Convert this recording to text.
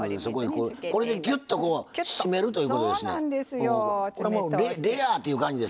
これで、きゅっと締めるということなんですね。